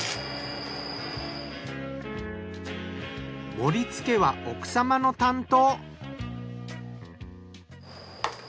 盛り付けは奥様の担当。